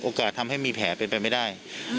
ทำให้มีแผลเป็นไปไม่ได้